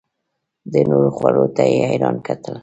د نورو خولو ته یې حیران کتل.